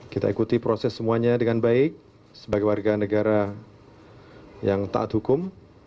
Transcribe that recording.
kita ikuti proses semuanya dengan baik sebagai warga negara yang taat hukum